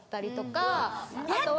あとは。